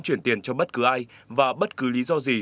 chuyển tiền cho bất cứ ai và bất cứ lý do gì